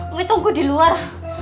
umi tunggu diluar